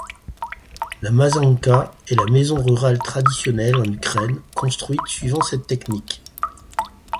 La mazanka est la maison rurale traditionnelle en Ukraine construite suivant cette technique.